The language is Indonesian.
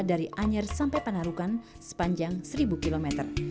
dari anyer sampai panarukan sepanjang seribu km